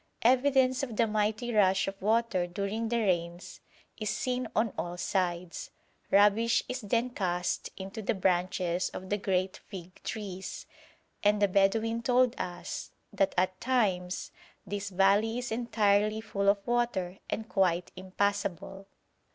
Evidence of the mighty rush of water during the rains is seen on all sides, rubbish is then cast into the branches of the great fig trees, and the Bedouin told us that at times this valley is entirely full of water and quite impassable.